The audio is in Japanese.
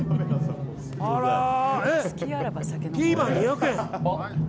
ピーマン、２００円？